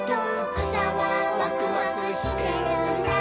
「くさはワクワクしてるんだ」